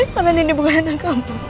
karena nindi bukan anak kamu